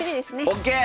ＯＫ！